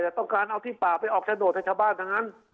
แต่ต้องการเอาที่ป่าไปออกชะโนธทางชาวบ้านทางนั้น